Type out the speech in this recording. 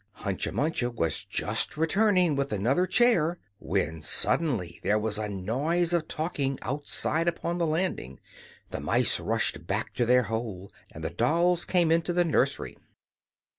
Hunca Munca was just returning with another chair, when suddenly there was a noise of talking outside upon the landing. The mice rushed back to their hole, and the dolls came into the nursery.